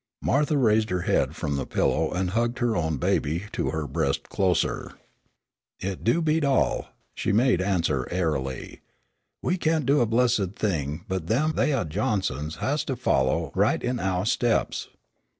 Martha raised her head from the pillow and hugged her own baby to her breast closer. "It do beat all," she made answer airily; "we can't do a blessed thing but them thaih Johnsons has to follow right in ouah steps.